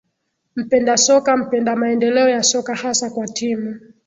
mpenda soka mpenda maendeleo ya soka hasa kwa timu